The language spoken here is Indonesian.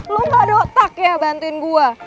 lo gak ada otak ya bantuin gue